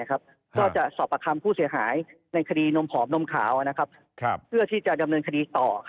ก็จะสอบประคำผู้เสียหายในคดีนมผอมนมขาวเพื่อที่จะดำเนินคดีต่อ